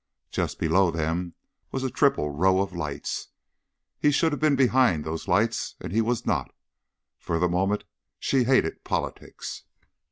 Just below them was a triple row of lights. He should have been behind those lights and he was not. For the moment she hated politics.